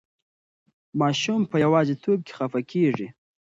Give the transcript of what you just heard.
ماشوم په یوازې توب کې خفه کېږي.